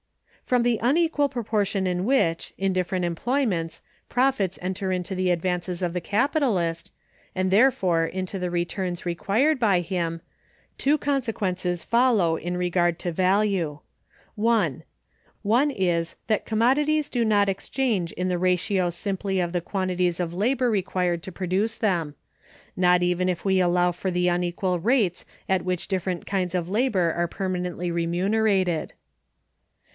From the unequal proportion in which, in different employments, profits enter into the advances of the capitalist, and therefore into the returns required by him, two consequences follow in regard to value. (1). One is, that commodities do not exchange in the ratio simply of the quantities of labor required to produce them; not even if we allow for the unequal rates at which different kinds of labor are permanently remunerated.